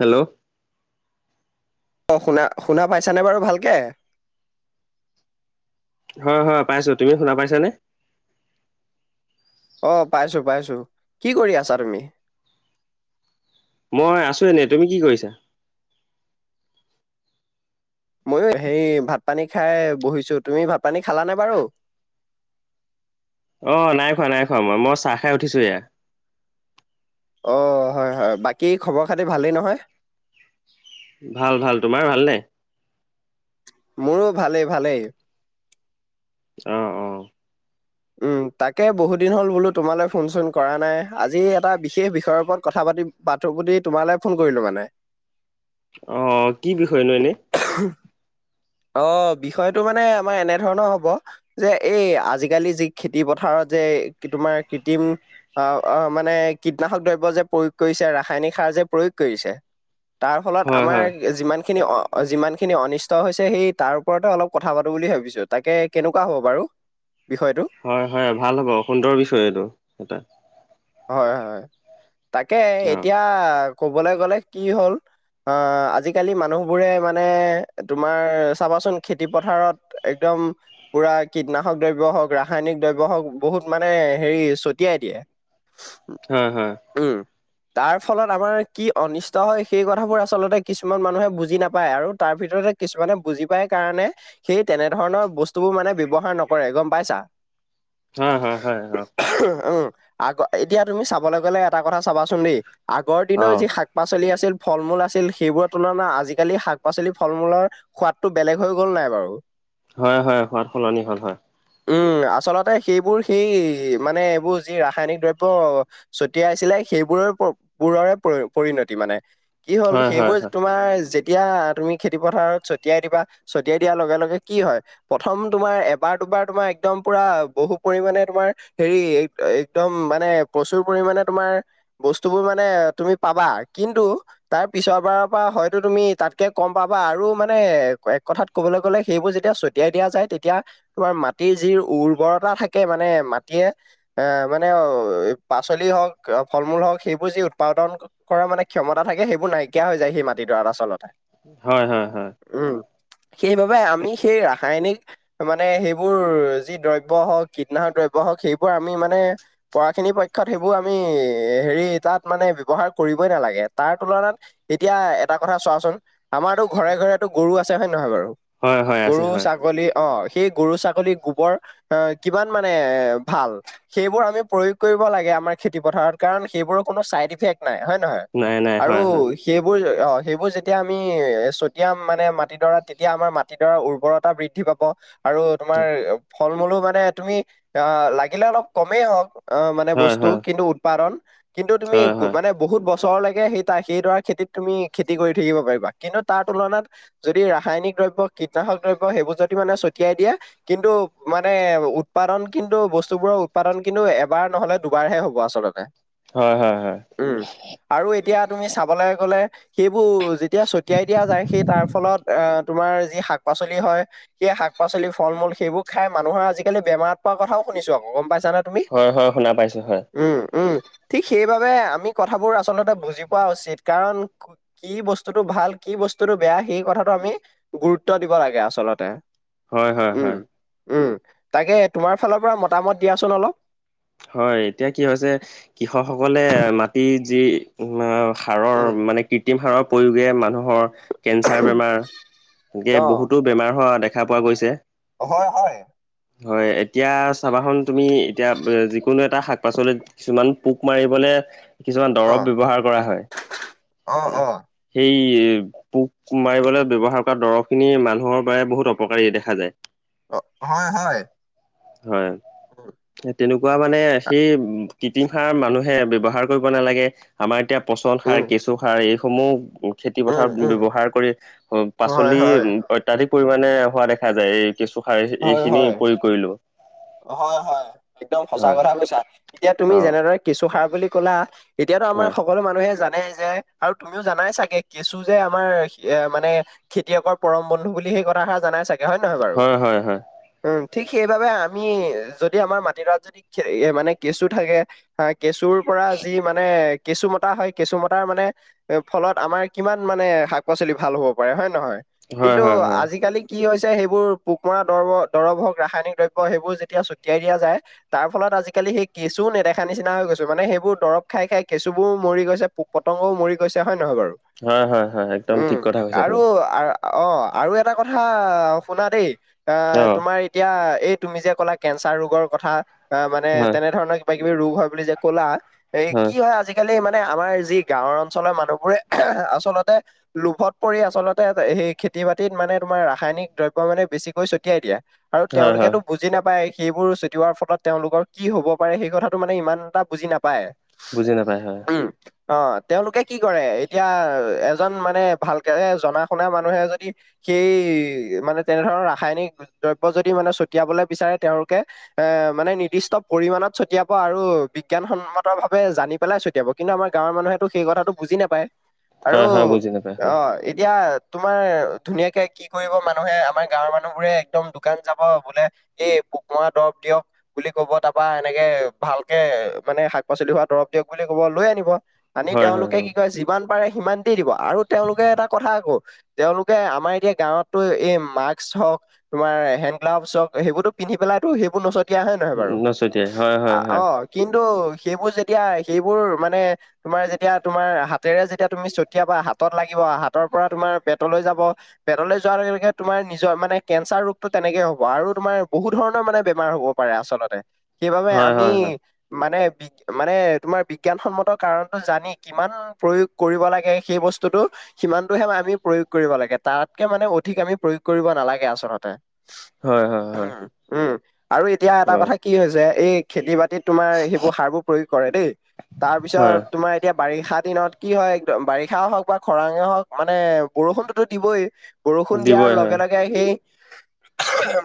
Hello অ'শুনা শুনা পাইছানে বাৰু ভাল কে হয়, হয়, পাইছো তুমি শুনা পাইছা নে! অ'পাইছো পাইছো কি কৰি আছা তুমি মই আছো এনেই তুমি কি কৰিছা ময়ো হেৰি ভাত পানী খাই বহিছো, তুমি ভাত পানী খালানে বাৰু অ' নাই খোৱা নাই খোৱা মই মই চাহ খাই উঠিছোঁহে অ' হয়, হয় বাকী খবৰ খাতি ভালেই নহয় ভাল ভাল তোমাৰ ভালনে মোৰো ভালেই ভালেই অ' অ' উম, তাকে বহুত দিন হ'ল বোলো তোমালৈ ফোন চোন কৰা নাই আজি এটা বিশেষ বিষয়ৰ ওপৰত কথা পাতিম পাতো বুলি তোমালে ফোন কৰিলো মানে। অ' কি বিষয়নো এনেই? [inaudible] অ' বিষয়টো মানে আমাৰ এনেধৰণৰ হব যে এই আজি কালি যি খেতি পথাৰত যে তোমাৰ কৃত্ৰিম অ' অ' মানে কীটনাশক দ্ৰব্য যে প্ৰয়োগ কৰিছে, ৰাসায়নিক সাৰ যে প্ৰয়োগ কৰিছে। তাৰ ফলত হয় হয় আমাৰ যিমান খিনি অ' যিমান খিনি অনিষ্ট হৈছে, সেই তাৰ ওপৰতে অলপ কথা পাতো বুলি ভাবিছো। তাকে কেনেকুৱা হ'ব বাৰু? বিষয়টো? হয় হয় ভাল হ'ব সুন্দৰ বিষয় এইটো এটা। হয় হয় তাকে অ এতিয়া ক'বলৈ গ'লে এতিয়া কি হ'ল অ' আজিকালি মানুহবোৰে মানে তোমাৰ চাবাচোন খেতি পথাৰত। একদম পুৰা কীটনাশক দ্ৰব্য হওক, ৰাসায়নিক দ্ৰব্য হওঁক, বহুত মানে হেৰি ছটিয়াই দিয়ে। হয় হয়। উম। তাৰ ফলত আমাৰ কি অনিষ্ট হয় সেই কথাবোৰ আচলতে কিছুমান মানুহে বুজি নাপায় আৰু তাৰ ভিতৰতে কিছুমানে বুজি পাই কাৰণে সেই তেনেধৰণৰ বস্তুবোৰ মানে ব্যৱহাৰ নকৰে। গম পাইছা? হয় হয় হয় অ'! উম আগ এতিয়া তুমি চাবলৈ গলে এটা কথা চাবাচোন দেই আগৰ অ অ দিনৰ যি শাক পাচলি আছিল, ফল-মূল আছিল সেইবোৰৰ তুলনাত আজিকালিৰ শাক-পাচলি, ফল-মূলৰ সোৱাদটো বেলেগ হৈ গ'ল নাই বাৰু। হয় হয়, সোৱাদ সলনি হল হয়। উম আচলতে সেইবোৰ সেই মানে এইবোৰ যি ৰাসায়নিক দ্ৰব ব্য ছটিয়াইছিলে সেইবোৰৰে বোৰৰে পৰি-পৰিণতি মানে। কি হ'ল হয় হয় সেইবোৰ তোমাৰ যেতিয়া তুমি খেতি পথাৰত ছটিয়াই দিবা। ছটিয়াই দিয়াৰ লগে লগে কি হয়? প্ৰথম তোমাৰ এবাৰ-দুবাৰ তোমাৰ একদম পুৰা বহু পৰিমাণে তোমাৰ হেৰি একদম মানে প্ৰচুৰ পৰিমাণে তোমাৰ বস্তুবোৰ মানে তুমি পাবা। কিন্তু তাৰ পিছৰবাৰৰ পৰা হয়তো তুমি তাতকে কম পাবা আৰু মানে এক কথাত ক'বলৈ গ'লে সেইবোৰ যেতিয়া ছটিয়াই দিয়া যায় তেতিয়া তোমাৰ মাটিৰ যি উৰ্বৰতা থাকে মানে মাটিয়ে এ মানে পাচলি হওক, ফল-মূল হওক, সেইবোৰ যি উৎপাদন কৰা মানে ক্ষমতা থাকে, সেইবোৰ নাইকিয়া হৈ যায় সেই মাটিডৰাত আচলতে। হয় হয় হয়। উম, সেইবাবে আমি সেই ৰাসায়নিক মানে সেইবোৰ যি দ্ৰব্য হওক, কীটনাশক দ্ৰব্য হওক সেইবোৰ আমি মানে পৰাখিনিৰ পক্ষত সেইবোৰ আমি হেৰি তাত মানে ব্যৱহাৰ কৰিবই নালাগে। তাৰ তুলনাত এতিয়া এটা কথা চোৱাচোন, আমাৰতো ঘৰে ঘৰে গৰু আছে। হয়নে নহয় বাৰু? হয় হয় আছে হয় গৰু-ছাগলী অ' সেই গৰু-ছাগলী গোবৰ অ' কিমান মানে ভাল। সেইবোৰ আমি প্ৰয়োগ কৰিব লাগে আমাৰ খেতি পথাৰত কাৰণ সেইবোৰৰ কোনো চাইড এফেক্ট নাই। হয়নে নহয়? নাই নাই আৰু হয় হয় সেইবোৰ অ' সেইবোৰ যেতিয়া আমি এ চতিয়াম মানে মাটিডৰাত তেতিয়া আমাৰ মাত তিডৰা উৰ্বৰতা বৃদ্ধি পাব আৰু তোমাৰ ফলমূলো মানে তুমি আ লাগিলে অলপ কমেই হওক অ মানে হয় বস্তু হয় কিন্তু উৎপাদন কিন্তু তুমি হয় গো হয় মানে বহুত বছৰলৈকে সেই তা সেইডৰা খেতিত তুমি খেতি কৰি থাকিব পাৰিবা কিন্তু তাৰ তুলনাত যদি ৰাসায়নিক দ্ৰব্য কীটনাশক দ্ৰব্য সেইবোৰ যদি মানে ছটিয়াই দিয়া কিন্তু মানে উৎপাদন কিন্তু বস্তুবোৰৰ উৎপাদন কিন্তু এব বাৰ নহলে দুবাৰহে হ'ব আচলতে হয় হয় হয় হয় উম আৰু এতিয়া তুমি চাবলে গ'লে সেইবো যেতিয়া ছতিয়াই দিয়া যায় সেই তাৰ ফলত আহ তোমাৰ যি শাক পাচলি হয় সেই শাক পাচলি ফল মূল সেইবোৰ খাই মানুহৰ আজিকালি বেমাৰত পৰা কথাও শুনিছো আকৌ গম পাইছা না তুমি হয় হয় শুনা পাইছোঁ হয় উম উম ঠিক সেইবাবে আমি কথাবোৰ আচলতে বুজি পোৱা উচিত কাৰণ কি বস্তুটো ভাল কি বস্তুটো বেয়া সেই কথাটো আমি গুৰুত্ব দিব লাগে আচলতে হয় হয় উম হয় উম তাকে তোমাৰ ফালৰ পৰা মতামত দিয়াচোন অলপ হয় এতিয়া কি হৈছে কৃষক সকলে মাটি যি আ সাৰৰ উম মানে কৃত্ৰিম সাৰৰ প্ৰয়োগে মানুহৰ কেঞ্চাৰ বেমাৰ এনকে অ বহুতো বেমাৰ হোৱা দেখা পোৱা গৈছে হয় হয় হয় এতিয়া চাবাখন তুমি এতিয়া বে যিকোনো এটা শাক পাচলিত কিছুমান পোক মাৰিবলে কিছুমান অ দৰব ব্যবহাৰ কৰা হয় অ অ সেই পোক মাৰিবলৈ ব্যৱহাৰ কৰা দৰৱ খিনি মানুহৰ বাবে বহুত অপকাৰী দেখা যায় অ হয় হয় হয় উম, এ তেনেকুৱা মানেহ সেই কৃত্ৰিম সাৰ মানুহে ব্যবহাৰ কৰিব নালাগে আমাৰ এতিয়া পচন সাৰ কেচ এইসমূহ খেতি উম, পথাৰত উম, ব্যৱহাৰ কৰি অ হয়, পাচলি হয়, উ অত্যাধিক পৰিমানে হোৱা দেখা যায় এই কেঁচুসাৰ এই হয়, এইখিনি হয়, প্ৰয়োগ কৰিলোঁ হয় হয় একদম সঁচা হয় কথা কৈছা এতিয়া তুমি অ' যেনেদৰে কেঁচুসাৰ বুলি ক'লা এতিয়াতো আমাৰ সকলো মানুহে জানেই যে আৰু তুমিও জানাই চাগে কেঁচু যে আমাৰ এ মানে খেতিয়কৰ পৰম বন্ধু বুলি সেই কথাষাৰ জানাই চাগে হয় নহয় বাৰু হয় হয় হয় উম ঠিক সেইবাবে আম আমি যদি আমাৰ মাটিডৰাত যদি খে এ মানে কেঁচু থাকে হয় কেঁচুৰ পৰা যি মানে কেঁচু মতা হয় কেঁচু মতাৰ মানে এ ফলত আমাৰ কিমান মানে শাক পাচলি ভাল হব পাৰে হয় নহয় হয় কিন্তু হয় হয় আজিকালি কি হৈছে সেইবোৰ পোক মৰা দৰব দৰব হওক ৰাসায়নিক দ্ৰইব ব সেইবোৰ যেতিয়া ছটিয়াই দিয়া যায় তাৰ ফলত আজিকালি সেই কেঁচু নেদেখা নিচিনা হৈ গৈছে মানে সেইবোৰ দৰব খাই খাই কেঁচু বোৰ মৰি গৈছে পুক পতংগও মৰি গৈছে হয় নহয় বাৰু হয় হয় হয় একদম উম ঠিক কথা কৈছা আৰু তুমি আ- অ আৰু এটা কথা শুনা দেই এ অ' তোমাৰ এতিয়া এই তুমি যে ক'লা কেঞ্চাৰ ৰোগৰ কথা অ মানে হয় তেনে ধৰণৰ কিবা কিবি ৰোগ হয় বুলি যে ক'লা এই কি হয় আজিকালি মানে আমাৰ যি গাঁওৰ অঞ্চলৰ মানুহবোৰে আচলতে লোভত পৰি আচলতে সেই খেতি বাতিত মানে তোমাৰ ৰাসায়নিক দ্ৰব্য মানে বেছিকৈ ছটিয়াই দিয়া আৰু হয় হয় তেওঁলোকেতো- বুজি নাপায় সেইবোৰ ছটিওৱাৰ ফলত তেওঁলোকৰ কি হ'ব পাৰে সেই কথাটো মানে ইমান এটা বুজি নাপায়। বুজি নাপায় হয়। উম। অঁ তেওঁলোকে কি কৰে এতিয়া এজন মানে ভালকে জনা শুনা মানুহে যদি- সেই মানে তেনেধৰণৰ ৰাসায়নিক দ্ৰব্য যদি মানে ছটিয়াবলে বিচাৰে তেওঁলোকে- এ মানে নিৰ্দিষ্ট পৰিমানত ছটিয়াব আৰু বিজ্ঞানসন্মত ভাৱে জানি পেলাই ছটিয়াব। কিন্তু আমাৰ গাঁৱৰ মানুহেতো সেই কথাটো বুজি নাপায়। আৰু হয় হয় বুজি নাপায় হয় অঁ- এতিয়া তোমাৰ ধুনীয়াকে কি কৰিব মানুহে আমাৰ গাঁৱৰ মানুহবোৰে একদম দোকান যাব- বোলে এই পোক মৰা দৰব দিয়ক- বুলি ক'ব তাপা এনেকে ভালকে মানে শাক পাচলি হোৱা দৰব দিয়ক বুলি কব লৈ আনিব। আনি হয় তেওঁলোকে হয় কি কয়, যিমান পাৰে সিমান দি দিব আৰু তেওঁলোকে এটা কথা আকৌ- তেওঁলোকে আমাৰ এতিয়া গাঁৱতটো এই মাস্ক হওঁক তোমাৰ হেণ্ড- গ্লাভচ হওঁক, সেইবোৰতো পিন্ধি পেলাইটো সেইবোৰ নচটিয়া হয় নহয় বাৰু? নচতিয়াই হয় হয় হয় অঁ। কিন্তু সেইবোৰ যেতিয়া সেইবোৰ মানে- তোমাৰ যেতিয়া তোমাৰ হাতেৰে যেতিয়া তুমি ছতিয়াবা হাতত লাগিব, হাতৰ পৰা তোমাৰ পেটলৈ যাব। পেটলৈ যোৱাৰ লগে লগে তোমাৰ নিজৰ মানে কেঞ্চাৰ ৰোগটো তেনেকেই হ'ব। আৰু তোমাৰ বহু ধৰণৰ মানে বেমাৰ হ'ব পাৰে আচলতে, সেইবাবে হয় আমি হয় হয় মানে- মানে তোমাৰ বিজ্ঞানসন্মত কাৰণটো জানি কিমান প্ৰয়োগ কৰিব লাগে সেই বস্তুটো- সিমানটোহে আমি প্ৰয়োগ কৰিব লাগে। তাতকে মানে অধিক আমি প্ৰয়োগ কৰিব নালাগে আচলতে। হয় হয়। হয় উম, আৰু এতিয়া এটা হয় কথা কি হৈছে এই খেতি বাতিত তোমাৰ- সেইবোৰ সাৰ বোৰ প্ৰয়োগ দেই, তাৰ পিছত হয় তোমাৰ- এতিয়া বাৰিষা দিনত কি হয় একদম বাৰিষা হওঁক বা খৰাঙে হওঁক মানে বৰষুণটোতো দিবই। বৰষুণ দিয়াৰ দিবই হয় লগে লগে সেই-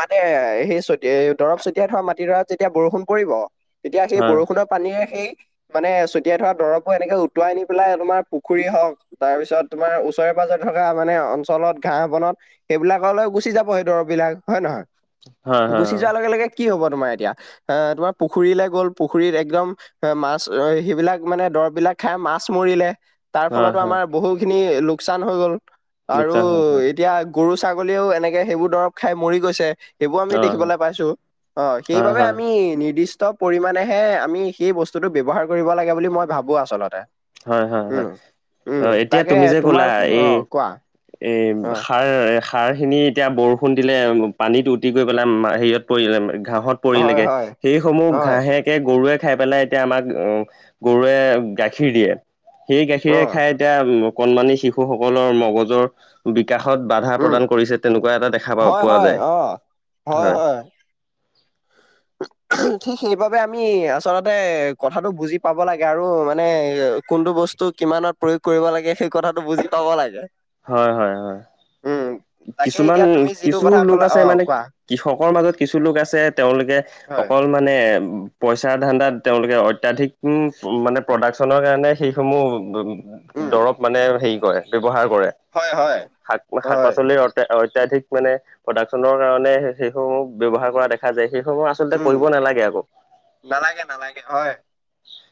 মানে সেই চতি দৰব চটিয়াই ধৰা মাটিডৰাত যেতিয়া বৰষুণ পৰিব তেতিয়া সেই হয় বৰষুণত পানীৰে সেই মানে ছটিয়াই থোৱা দৰবোৰ এনেকে উটুৱাই নি পেলাই তোমাৰ পুখুৰীৰে হওঁক- তাৰ পিছত, তোমাৰ ওচৰে পাঁজৰে থকা মানে অঞ্চলত ঘাঁহ বনত- সেইবিলাকলে গুছি যাব সেই দৰব বিলাক, হয়ে নহয়? হয় হয় গুচি যোৱাৰ লগে লগে কি হব তোমাৰ এতিয়া- এঁহ তোমাৰ পুখুৰীলে গ'ল পুখুৰীত একদম- সে মাছ সেইবিলাক মানে দৰৱ বিলাক খাই মাছ মৰিলে। তাৰ অ হয় ফলতো হয় আমাৰ বহুখিনি লোকচান হৈ গ'ল, আৰু লোকচান হয় হয় এতিয়া- গৰু-ছাগলীয়েও এনেকে সেইবোৰ দৰৱ খাই মৰি গৈছে। সেইবোৰ অ আমি দেখিবলে পাইছো। অঁ হয় সেইবাবে হয় আমি নিৰ্দিষ্ট- ষ্ট পৰিমাণেহে আমি সেই বস্তুটো ব্যৱহাৰ কৰিব লাগে বুলি মই ভাৱো আচলতে। হয় হয় হয়, উম উম অঁ এতিয়া তাকে তুমি যে তোমাৰ ক'লা অ এই কোৱা এই অ সাৰ- এ সাৰখিনি এতিয়া বৰষুণ দিলে পানীত উটি গৈ পেলাই হেৰিয়ত পৰিলে ঘাঁহত- হয় পৰিলেগে, হয় সেইসমূহ হয় ঘাঁহেকে গৰুৱে খাই পেলাই এতিয়া আমাক অ গৰুৱে গাখ- খীৰ দিয়ে, সেই অ গাখীৰে খাই এতিয়া কণমানি শিশুসকলৰ মগজৰ- বিকাশত বাধা উম প্ৰদান কৰিছে তেনেকুৱা এটা দেখা পা হয় পোৱা হয় যায়, অ হয়। [unintelligible] ঠিক সেইবাবে আমি আচলতে কথাটো বুজি পাব লাগে আৰু মানে কোনটো বস্তু- কিমানত প্ৰয়োগ কৰিব লাগে, সেই কথাটো বুজি পাব লাগে। হয় হয় হয়, উম, তাকে কিছুমান এতিয়া তুমি যিটো কথা কিছুলোক ক'লা আছে অ' মানে- কোৱা কৃষকৰ মাজত কিছু লোক আছে তেওঁলোকে হয় অকল মা- মানে পইচাৰ ধান্দাত তেওঁলোকে অত্যাধিক [unintelligible] মানে প্ৰডাকশ্যনৰ কাৰণে সেইসমূহ উম, দৰৱ মানে হেৰি কৰে ব্যৱহাৰ কৰে। হয়, হয়। হয় শাক-শাক-পাচলিৰ অত্যা-অত্যাধিক মানে প্ৰডাকশ্যনৰ কাৰণে সেই-সেইসমূহ ব্যৱহাৰ কৰা দেখা দেখা যায় সেইসমূহ আচলতে উম, কৰিব নালাগে আকৌ। নালাগে, নালাগে হয়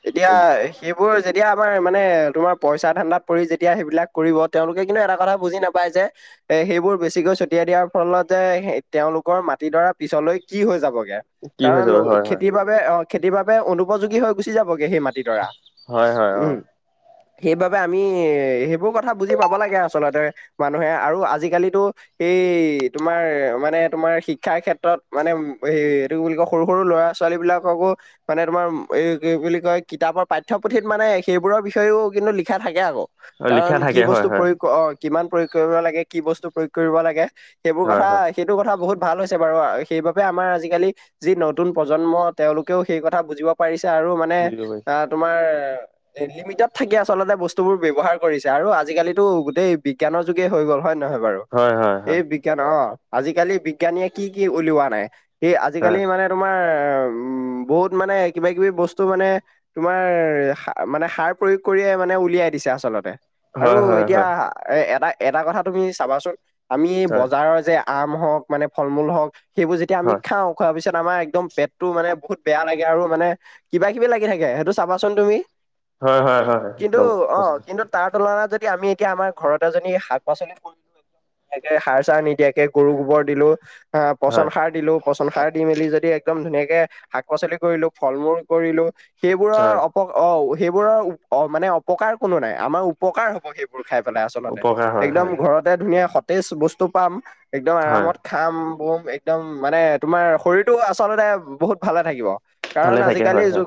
এতিয়া সেইবোৰ যেতিয়া আমাৰ মানে তোমাৰ পইচা ধাণ্ডাত পৰি যেতিয়া সেইবিলাক কৰিব তেওঁলোকে কিন্তু এটা কথা বুজি নাপায় যে এ সেইবোৰ বেছিকৈ ছটিয়াই দিয়াৰ ফলত যে সে তেওঁলোকৰ মাটিডৰা পিছলৈ কি হৈ যাবগে কি হৈ কাৰণ যাব হয় হয় অ'খেতিৰ বাবে, অ' খেতিৰ বাবে অনুপযোগী হৈ গুছি যাবগে সেই মাটিডৰা হয় হয় অ উম, সেইবাবে আমি সেইবোৰ কথা বুজি পাব লাগে আচলতে মানুহে আৰু আজিকালিতো এই তোমাৰ মানে তোমাৰ শিক্ষাৰ ক্ষেত্ৰত মানে এইটো হে কি বুলি কয় সৰু, সৰু ল'ৰা ছোৱালীবিলাককো মানে তোমাৰ এ কি বুলি কয় কিতাপৰ পাঠয়পুথিত মানে সেইবোৰৰ বিষয়েও কিন্তু লিখা থাকে আকৌ। অ কাৰণ লিখা কি থাকে হয় বস্তু হয় প্ৰয়োগ অ' কিমান প্ৰয়োগ কৰিব লাগে কি বস্তু প্ৰয়োগ কৰিব লাগে সেইবোৰ হয় কথা হয় সেইটো কথা বহুত ভাল হৈছে বাৰু সেইবাবে আমাৰ আজিকালি যি নতুন প্ৰজন্ম তেওঁলোকেও সেই কথা বুজিব পাৰিছে আৰু মানে বুজিব পাৰিছো আহ, তোমাৰ লিমিটত থাকি আচলতে বস্তুবোৰ ব্যৱহাৰ কৰিছে আৰু আজিকালিটো গোটেই পৃ বিজ্ঞানৰ যোগে হৈ গ'ল হয়নে নহয় বাৰু? হয় হয় এই হয় বিজ্ঞান অ' আজিকালি বিজ্ঞানীয়ে কি, কি উলিওৱা নাই সেই আজিকালি হয় মানে তো তোমাৰ উম, বহুত মানে কিবা-কিবি বস্তু মানে তোমাৰ সা মানে সাৰ প্ৰয়োগ কৰিয়ে মানে উলিয়াই দিছে আচলতে। আৰু হয় হয় এতিয়া হয় এ এটা-এটা কথা তুমি চাবাচোন আমি এই হয় বজাৰৰ যে আম হওক মানে ফল-মূল হওক সেইবোৰ যেতিয়া আমি হয় খাওঁ খোৱাৰ পিছত আমাৰ এক একদম পেটটো মানে বহুত বেয়া লাগে আৰু মানে কিবা-কিবি লাগি থাকে সেইটো চাবাচোন তুমি হয়, হয়, হয়, হয় কিন্তু একদম অ সঁচা কথা। কিন্তু তাৰ তুলনাত যদি আমি এতিয়া আমাৰ ঘৰতে যদি শাক-পাচলি কৰিলোঁ গে একে সাৰ-চাৰ নিদিয়াকে গৰু গোবৰ দিলো আহ, পচন হয় সাৰ দিলো পচন সাৰ দি মেলি যদি একদম ধুনীয়াকে শাক-পাচলি কৰিলোঁ, ফল-মূল কৰিলোঁ হয় সেইবোৰৰ অপ অপ অ' সেইবোৰৰ উপ অ'মানে অপকাৰ কোনো নাই আমাৰ উপকাৰ হ'ব সেইবো বোৰ খাই পেলাই আচলতে উপকাৰ হয় একদম হয় হয় ঘৰতে ধুনীয়া সতেজ বস্তু পাম একদম হয় আৰামত খাম বম একদম মানে তোমাৰ শৰীৰটো আচলতে বহুত ভালে থাকিব। কাৰণ ভালে থাকে আজিকালি হয় হয় যুগ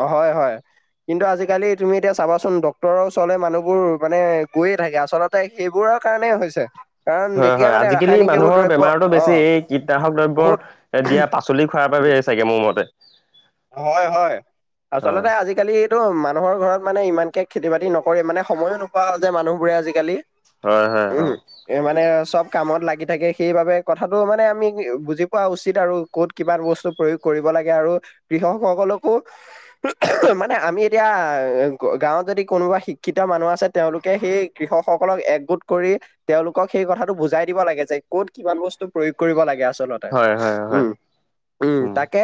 অ'অ' হয়, হয়। কিন্তু আজিকালি তুমি এতিয়া চাবাচোন ডক্তৰৰ ওচৰলৈ মানুহবোৰ মানে গৈয়ে থাকে আচলত তে সেইবোৰৰ কাৰণে হৈছে। কাৰণ হয়, যেতিয়া হয় মানে আজিকালি ৰাসায়নিক এইবোৰ মানুহৰ দ্ৰব্য বেমাৰতো বেছি অ' এই কীটনাশক দ্ৰব্য বহুত দিয়া পাচ চলি খোৱাৰ বাবে হয় চাগে মোৰ মতে। হয়, হয় হয় আচলতে আজিকালিটো মানুহৰ ঘৰত মানে ইমানকে খেতি-বাতি নকৰে মানে সময়ো নোপোৱা হ'ল যে মানুহবোৰে আজিকালি। হয়, হয় উম অ'। এ মানে চব কামত লাগি থাকে সেইবাবে কথাটো মানে আমি বুজি পোৱা উচিত আৰু ক'ত কিমান বস্তু প্ৰয়োগ কৰিব লাগে আৰু কৃষকসকলকো মানে আমি এতিয়া গাঁৱত যদি কোনোবা শিক্ষিত মানুহ আছে তেওঁলোকে সেই কৃষকসকলক একগোট কৰি তেওঁলোকক সেই কথাটো বুজাই দিব লাগে যে ক'ত কিমান বস্তু প্ৰয়োগ কৰিব লাগে আচলত। হয় হয় হয় উম, উম। তাকে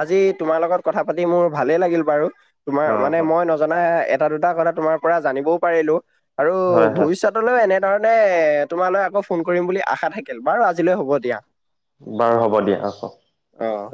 আজি- তোমাৰ লগত কথা পাতি মোৰ ভালে লাগিল বাৰু, তোমাৰ অ মানে মই নজ - জনা এটা- দুটা কথা তোমাৰ পৰা জানিবও পাৰিলো আৰু হয় হয় ভৱিষ্যত - তলে এনেধৰণে এ তোমালৈ আকৌ ফোন কৰিম বুলি আশা থাকিল বাৰু আজিলৈ হ'ব দিয়া। বাৰু হ'ব দিয়া ৰাখোঁ। অঁ।